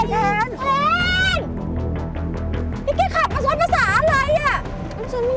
อ้อยอะไรแทนนี่แกขัดมาสวนภาษาอะไรอ่ะ